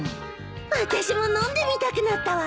私も飲んでみたくなったわ。